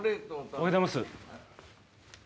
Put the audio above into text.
おはようございます。